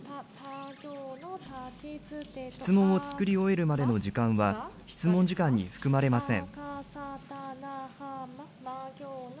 質問を作り終えるまでの時間は、質問時間に含まれません。